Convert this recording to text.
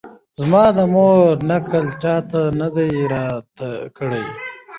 زما د مور نکل چا نه دی راته کړی